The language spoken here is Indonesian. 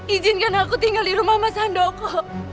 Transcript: izinkan aku tinggal di rumah mas handoko